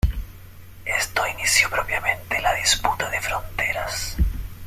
Esto inició propiamente la disputa de fronteras.